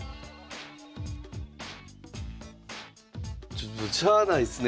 ちょっとしゃあないっすね